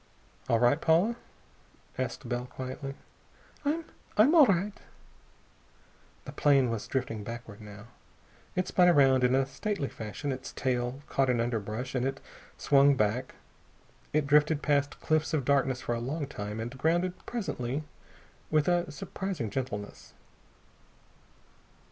"All right, Paula?" asked Bell quietly. "I I'm all right." The plane was drifting backward, now. It spun around in a stately fashion, its tail caught in underbrush, and it swung back. It drifted past cliffs of darkness for a long time, and grounded, presently, with a surprising gentleness.